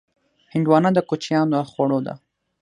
هندوانه د کوچیانو له خوړو ده.